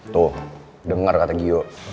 tuh dengar kata gio